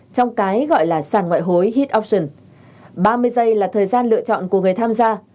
trong cái gọi là sàn ngoại hối hit option ba mươi giây là thời gian lựa chọn của người tham gia